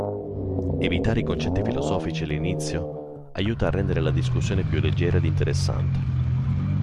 Evitare i concetti filosofici all'inizio aiuta a rendere la discussione più leggera ed interessante.